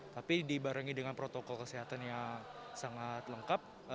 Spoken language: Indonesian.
tapi dibarengi dengan protokol kesehatan yang sangat lengkap